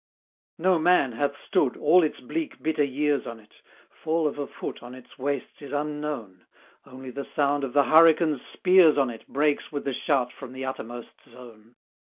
No man hath stood, all its bleak, bitter years on it Fall of a foot on its wastes is unknown: Only the sound of the hurricane's spears on it Breaks with the shout from the uttermost zone.